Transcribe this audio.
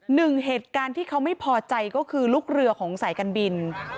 หนึ่งเหตุการณ์ที่เขาไม่พอใจก็คือลูกเรือของสายการบิน